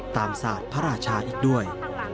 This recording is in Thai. ศาสตร์พระราชาอีกด้วย